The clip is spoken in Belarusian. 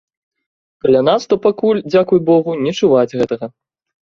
Каля нас то пакуль, дзякуй богу, не чуваць гэтага.